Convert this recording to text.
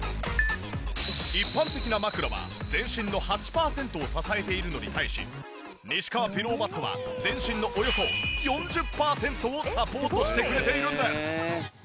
一般的な枕は全身の８パーセントを支えているのに対し西川ピローマットは全身のおよそ４０パーセントをサポートしてくれているんです。